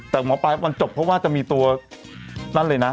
แต่หมอปลายมันจบเพราะว่าจะมีตัวนั่นเลยนะ